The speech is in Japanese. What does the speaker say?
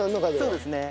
そうですね。